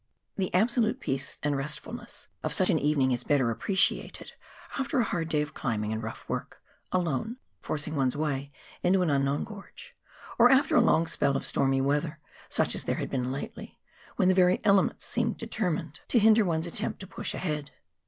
The absolute peace and restfulness of such an evening is better appreciated after a hard day of climbing and rough work — alone — forcing one's way into an unknown gorge ; or after a long spell of stormy weather such as there had been lately, when the very elements seemed determined to hinder one's 200 PIONEEK WORK IN THE ALPS OF NEW ZEALAND. attempt to push ahead.